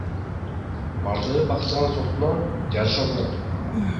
Бардыгы бактын сортуна жараша болот.